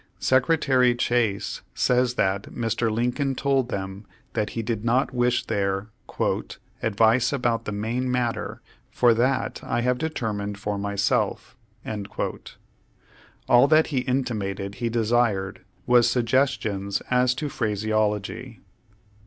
Secretary Chase says that Mr. Lincoln told them that he did not wish their "advice about the main matter, for that I have determined for myself." All that he intimated he desired was suggestions as to phraseology.